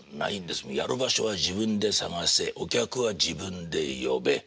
やる場所は自分で探せお客は自分で呼べ。